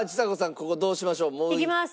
ここどうしましょう。いきます。